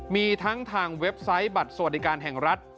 มีทั้งทางเว็บไซต์บัตรสวัสดิการแห่งรัฐ